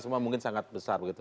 semua mungkin sangat besar begitu